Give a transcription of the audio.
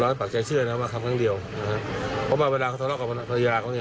ร้อยปักใจเชื่อว่าครับครั้งเดียวเพราะว่าเวลาทะเลาะกับภรรยาเขา